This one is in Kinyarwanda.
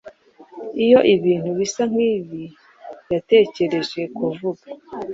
Iyo ibintu bisa nkibi yatekereje kuvuga